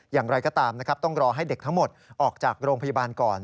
อย่างไรก็ตามนะครับต้องรอให้เด็กทั้งหมดออกจากโรงพยาบาลก่อน